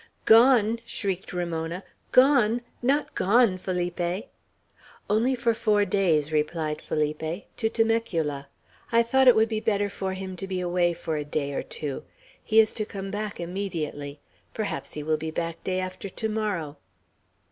"Gone!" shrieked Ramona. "Gone! not gone, Felipe!" "Only for four days," replied Felipe. "To Temecula. I thought it would be better for him to be away for a day or two. He is to come back immediately. Perhaps he will be back day after to morrow."